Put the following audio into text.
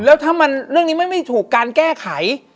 แล้วถ้ามันเรื่องนี้ไม่ถูกการแก้ไข